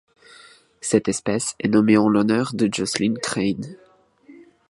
Cette espèce est nommée en l'honneur de Jocelyn Crane.